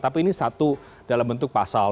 tapi ini satu dalam bentuk pasal